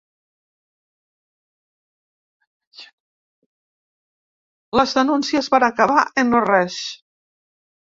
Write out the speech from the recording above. Les denúncies van acabar en no res.